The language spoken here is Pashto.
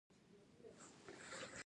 ننګرهار ولې په ژمي کې ګرم وي؟